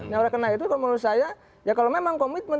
nah kalau menurut saya kalau memang komitmen